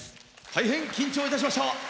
大変緊張いたしました！